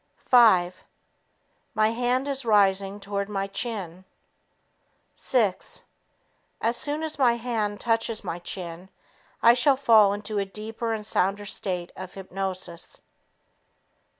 Five ... My hand is rising toward my chin. Six ... As soon as my hand touches my chin, I shall fall into a deeper and sounder state of hypnosis.